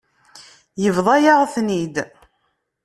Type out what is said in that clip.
Yebḍa-yaɣ-ten-id.